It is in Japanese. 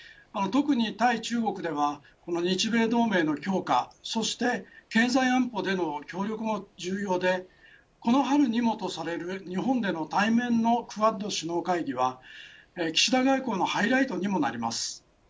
特に対中国ではこの日米同盟の強化そして経済安保での協力も重要でこの春にも、とされる日本での対面のクアッド首脳会議は岸田外交のハイライトにもなります。